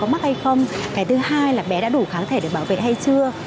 mắc hay không cái thứ hai là bé đã đủ kháng thể để bảo vệ hay chưa